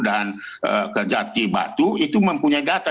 dan kak jati batu itu mempunyai data